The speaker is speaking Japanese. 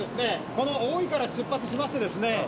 この大井から出発しましてですね